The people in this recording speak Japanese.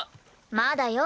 まだよ。